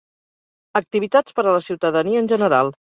Activitats per a la ciutadania en general.